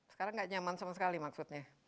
sekarang nggak nyaman sama sekali maksudnya